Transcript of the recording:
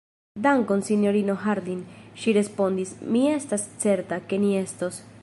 Dankon, sinjorino Harding, ŝi respondis, mi estas certa, ke ni estos.